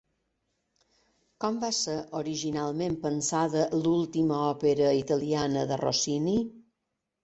Com va ser originalment pensada l'última òpera italiana de Rossini?